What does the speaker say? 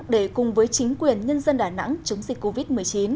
để cùng với chính quyền nhân dân đà nẵng chống dịch covid một mươi chín